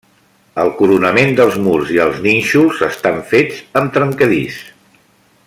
El coronament dels murs i els nínxols està fet amb trencadís.